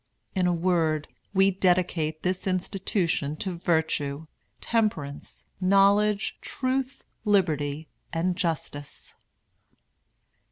In a word, we dedicate this institution to virtue, temperance, knowledge, truth, liberty, and justice."